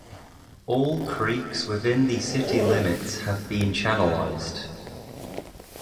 All creeks within the city limits have been channelized.